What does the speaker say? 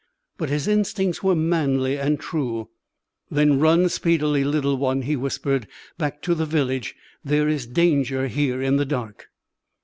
But his instincts were manly and true. "Then run speedily, little one," he whispered, "back to the village. There is danger here in the dark."